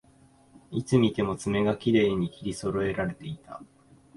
いつ見ても爪がきれいに切りそろえられていた